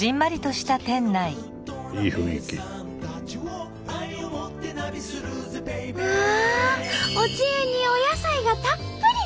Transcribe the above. うわ！おつゆにお野菜がたっぷり！